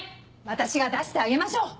私が出してあげましょう。